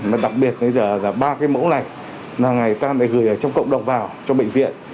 mà đặc biệt là ba cái mẫu này là người ta đã gửi ở trong cộng đồng vào cho bệnh viện